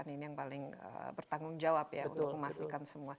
ini yang paling bertanggung jawab ya untuk memastikan semua